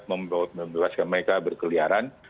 membebaskan mereka berkeliaran